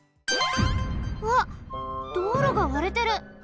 うわっ道路がわれてる！